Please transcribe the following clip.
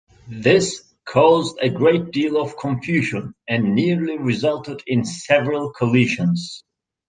This caused a great deal of confusion, and nearly resulted in several collisions.